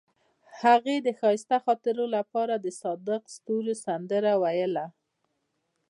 هغې د ښایسته خاطرو لپاره د صادق ستوري سندره ویله.